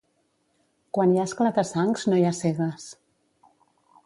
Quan hi ha esclata-sangs, no hi ha cegues.